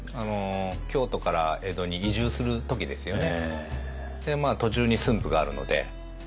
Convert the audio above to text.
京都から江戸に移住する時ですよね。